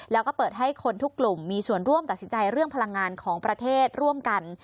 แล้วก็เปิดให้คนทุกกลุ่มมีส่วนร่วมตัดสินใจเรื่องพลังงานของประเทศร่วมกัน